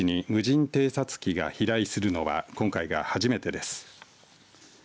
岩国基地に無人偵察機が飛来するのは今回が初めてです。